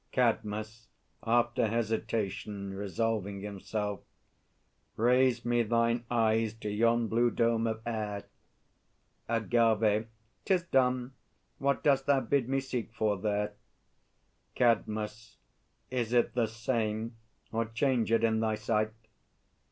CADMUS (after hesitation, resolving himself). Raise me thine eyes to yon blue dome of air! AGAVE. 'Tis done. What dost thou bid me seek for there? CADMUS. Is it the same, or changèd in thy sight?